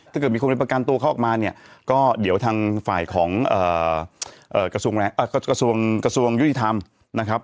ถ้าเกิดมีคนเป็นประกันตัวเขาออกมาเนี้ยก็เดี๋ยวทางฝ่ายของเอ่อเอ่อกระทรวงแรงเอ่อกระทรวงกระทรวงยุธิธรรมนะครับ